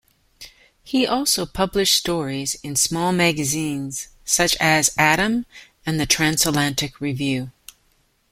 He also published stories in small magazines such as "Adam" and the "Transatlantic Review".